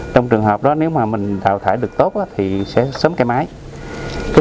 trong trường hợp đó nếu mà mình thảo thải được tốt thì sẽ sớm cây máy